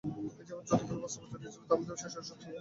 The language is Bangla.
এ-যাবৎ যতগুলি বক্তৃতা দিয়েছি, তার মধ্যে শেষেরটাই সবচেয়ে ভাল।